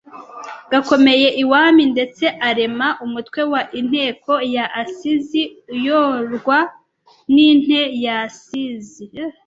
gakomeye iwami ndetse arema umutwe wa inteko y’asizi uyoorwa n’intee y’asizi